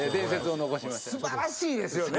素晴らしいですよね。